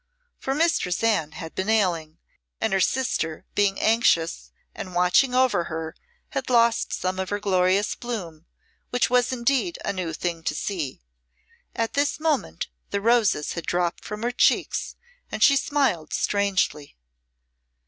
For Mistress Anne had been ailing, and her sister being anxious and watching over her had lost some of her glorious bloom, which was indeed a new thing to see. At this moment the roses had dropped from her cheeks and she smiled strangely.